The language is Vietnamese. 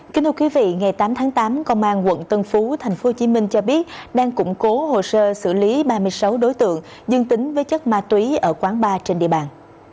kính thưa quý vị ngày tám tháng tám công an quận tân phú tp hcm cho biết đang củng cố hồ sơ xử lý ba mươi sáu đối tượng dương tính với chất ma túy ở quán bar trên địa bàn